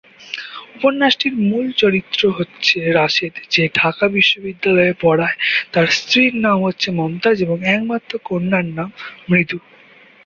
উপন্যাসটির মূল চরিত্র হচ্ছে রাশেদ যে ঢাকা বিশ্ববিদ্যালয়ে পড়ায়, তার স্ত্রীর নাম হচ্ছে মমতাজ এবং একমাত্র কন্যার নাম মৃদু।